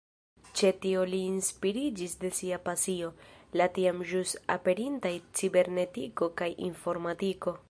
Ĉe tio li inspiriĝis de sia pasio, la tiam ĵus aperintaj cibernetiko kaj informatiko.